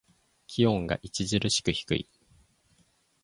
気温が著しく低い。